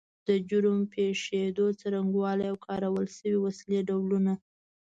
د جرم پیښېدو څرنګوالی او کارول شوې وسلې ډولونه